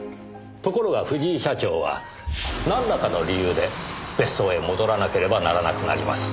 ところが藤井社長はなんらかの理由で別荘へ戻らなければならなくなります。